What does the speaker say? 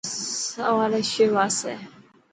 سواري شو آسي.